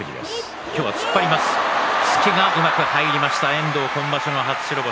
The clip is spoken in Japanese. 遠藤、今場所の初白星。